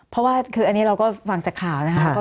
เพราะว่าคืออันนี้เราก็ฟังจากข่าวนะครับ